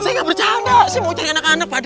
saya gak bercanda saya mau cari anak anak pak d